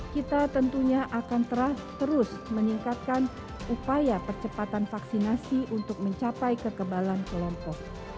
kita tentunya akan terus meningkatkan upaya percepatan vaksinasi untuk mencapai kekebalan kelompok